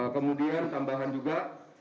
kemudian tambahan juga